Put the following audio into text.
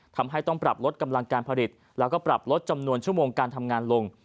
ทำให้ต้องปรับลดกำลังการผลิตแล้วก็ปรับลดจำนวนชั่วโมงการทำงานลง